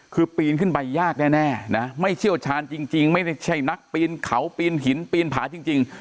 คือปีนขึ้นไปยากแน่นะไม่เชี่ยวชาญจริงไม่ใช่นักปีนเขาปีนหินปีนผาจริง